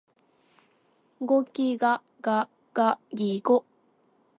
ゴギガガガギゴ